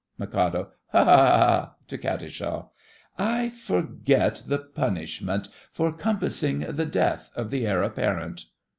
MIK. Ha! ha! ha! (To Katisha.) I forget the punishment for compassing the death of the Heir Apparent.